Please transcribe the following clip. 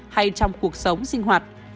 hay trong cuộc sống sinh hoạt